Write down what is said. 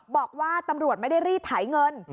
บอกว่าตำรวจไม่ได้รีดไถเงิน